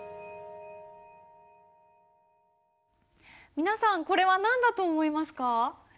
皆さんこれは何だと思いますか？